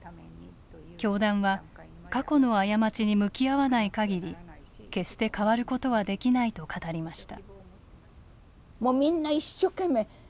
教団は過去の過ちに向き合わないかぎり決して変わることはできないと語りました。